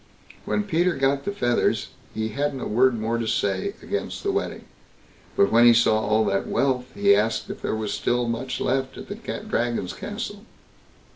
When Peter got the feathers he hadn't a word more to say against the wedding; but when he saw all that wealth, he asked if there was much still left at the Dragon's castle.